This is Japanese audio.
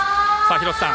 廣瀬さん